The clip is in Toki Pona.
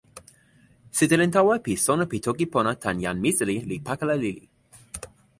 sitelen tawa pi sona pi toki pona tan jan Misali li pakala lili.